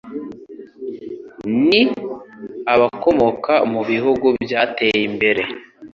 ni abakomoka mu bihugu byateye imbere